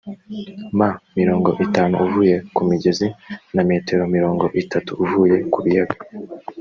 m mirongo itanu uvuye ku migezi na metero mirongo itatu uvuye ku biyaga